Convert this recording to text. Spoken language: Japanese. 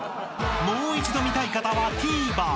［もう一度見たい方はＴＶｅｒ］